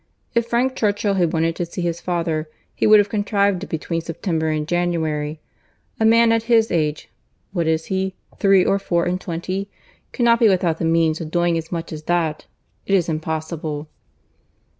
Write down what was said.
If Frank Churchill had wanted to see his father, he would have contrived it between September and January. A man at his age—what is he?—three or four and twenty—cannot be without the means of doing as much as that. It is impossible."